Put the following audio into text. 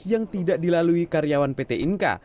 yang tidak dilalui karyawan pt inka